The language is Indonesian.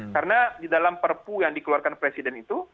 karena di dalam perpu yang dikeluarkan presiden itu